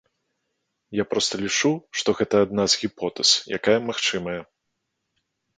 Я проста лічу, што гэта адна з гіпотэз, якая магчымая.